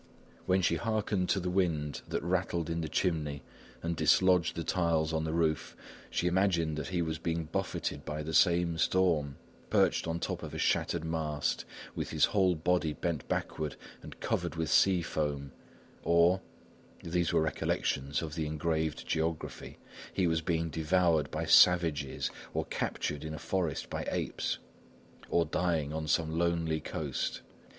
When she harkened to the wind that rattled in the chimney and dislodged the tiles on the roof, she imagined that he was being buffeted by the same storm, perched on top of a shattered mast, with his whole body bent backward and covered with sea foam; or, these were recollections of the engraved geography he was being devoured by savages, or captured in a forest by apes, or dying on some lonely coast.